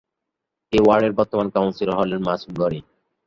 এ ওয়ার্ডের বর্তমান কাউন্সিলর হলেন মাসুম গনি।